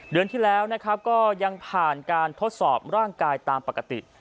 เดือนที่แล้วนะครับก็ยังผ่านการทดสอบร่างกายตามปกติ